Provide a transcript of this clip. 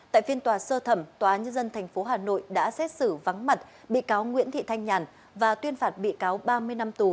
tại phiên tòa sơ thẩm tòa nhân dân tp hà nội đã xét xử vắng mặt bị cáo nguyễn thị thanh nhàn và tuyên phạt bị cáo ba mươi năm tù